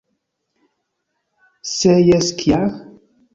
Se jes, kial?